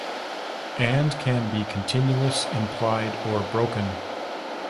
And can be continuous, implied, or broken.